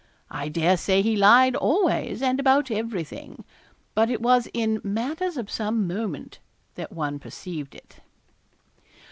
I dare say he lied always, and about everything. But it was in matters of some moment that one perceived it.